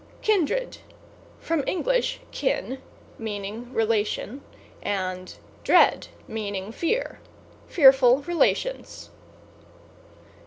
=KINDRED= From Eng. kin, meaning relation, and dread, meaning fear; fearful relations.